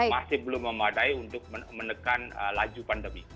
masih belum memadai untuk menekan laju pandemi